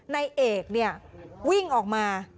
ในเอกวิ่งออกมา